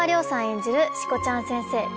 演じるしこちゃん先生